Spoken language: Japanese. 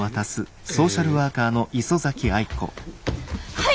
はい！